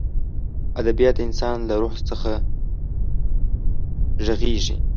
ادبیات د انسان له روح څخه غږېږي.